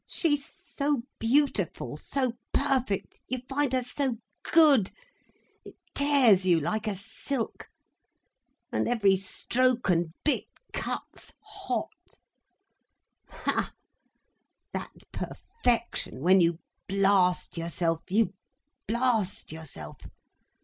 She's so beautiful, so perfect, you find her so good, it tears you like a silk, and every stroke and bit cuts hot—ha, that perfection, when you blast yourself, you blast yourself!